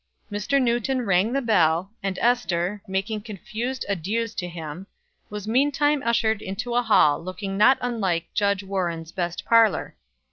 Mr. Newton rang the bell, and Ester, making confused adieus to him, was meantime ushered into a hall looking not unlike Judge Warren's best parlor.